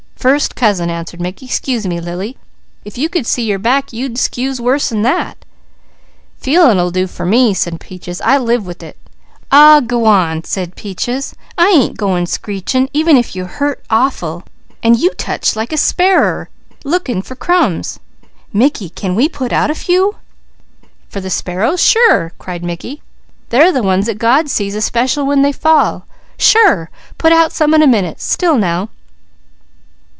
"First cousin," answered Mickey. "'Scuse me Lily. If you could see your back, you'd 'scuse worse than that." "Feelin' ull do fer me," said Peaches. "I live wid it." "Honest kid, I'm scared to touch you," he wavered. "Aw g'wan!" said Peaches. "I ain't goin' screechin' even if you hurt awful, an' you touch like a sparrer lookin' for crumbs. Mickey, can we put out a few?" "For the sparrows? Sure!" cried Mickey. "They're the ones that God sees especial when they fall. Sure! Put out some in a minute. Still now!"